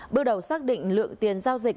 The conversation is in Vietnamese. bước đầu xác định lượng tiền giao dịch